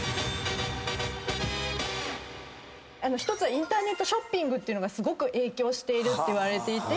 １つはインターネットショッピングがすごく影響しているっていわれていて。